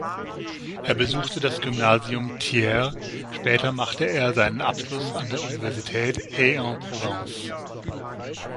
Er besuchte das Gymnasium Thiers, später machte er seinen Abschluss an der Universität Aix-en-Provence.